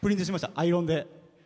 アイロンで。